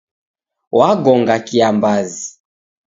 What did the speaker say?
Wagonga kiambazi.